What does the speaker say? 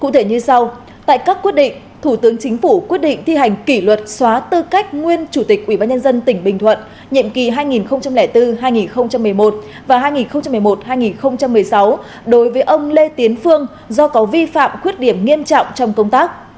cụ thể như sau tại các quyết định thủ tướng chính phủ quyết định thi hành kỷ luật xóa tư cách nguyên chủ tịch ubnd tỉnh bình thuận nhiệm kỳ hai nghìn bốn hai nghìn một mươi một và hai nghìn một mươi một hai nghìn một mươi sáu đối với ông lê tiến phương do có vi phạm khuyết điểm nghiêm trọng trong công tác